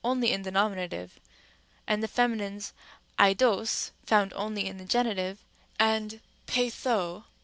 only in the nomina tive) and the feminines αἰδώς (found only in the genitive) and πειθώ (D.